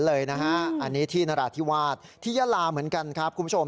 เลยนะฮะอันนี้ที่นราธิวาสที่ยาลาสมันกันครับคุณผู้ชม